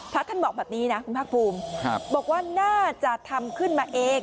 พระท่านบอกแบบนี้นะคุณภาคภูมิบอกว่าน่าจะทำขึ้นมาเอง